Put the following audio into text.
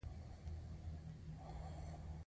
علم پر هر مسلمان فرض دی.